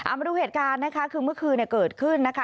เอามาดูเหตุการณ์นะคะคือเมื่อคืนเกิดขึ้นนะคะ